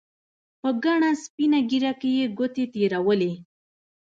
په گڼه سپينه ږيره کښې يې گوتې تېرولې.